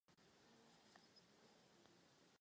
K severní straně lodi přiléhá sakristie.